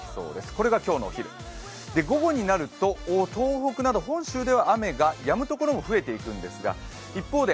これが今日のお昼、午後になると東北など本州では雨がやむところも増えていくんですが一方で、